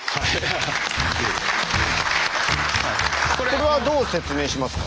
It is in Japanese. これはどう説明しますか？